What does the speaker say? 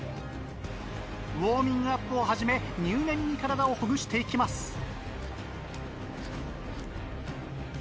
ウオーミングアップを始め入念に体をほぐして行きます。